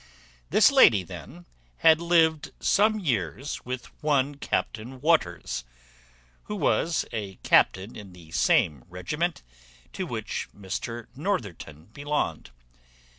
This lady, then, had lived some years with one Captain Waters, who was a captain in the same regiment to which Mr Northerton belonged.